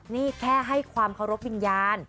นี่แค่ให้ความเคารพวิญญาณ